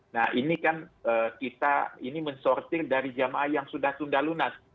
nah ini kan kita ini mensortir dari jamaah yang sudah tunda lunas